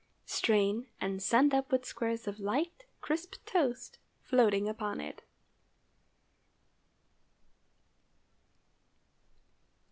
Strain and send up with squares of light, crisp toast floating upon it.